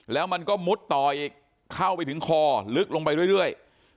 แล้วมันก็มุดต่ออีกเข้าไปถึงคอลึกลงไปเรื่อย